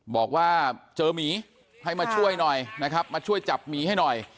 บอกว่าเจอหมีให้มาช่วยหน่อยนะครับมาช่วยจับหมีให้หน่อย